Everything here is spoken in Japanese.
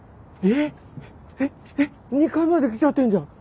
えっえっ２階まで来ちゃってんじゃん。